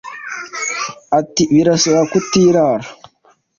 Ati “ Birasaba kutirara